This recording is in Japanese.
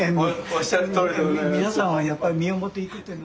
おっしゃるとおりでございます。